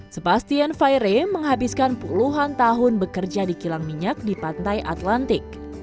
sebastian faire menghabiskan puluhan tahun bekerja di kilang minyak di pantai atlantik